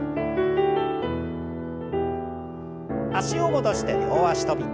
脚を戻して両脚跳び。